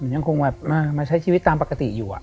ยังคงแบบมาใช้ชีวิตตามปกติอยู่